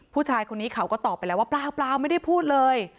ผู้ชายคนนี้เขาก็ตอบไปแล้วว่าเปล่าไม่ได้พูดเลย